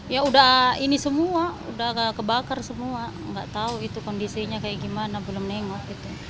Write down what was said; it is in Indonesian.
ya udah ini semua udah kebakar semua nggak tahu itu kondisinya kayak gimana belum nengok gitu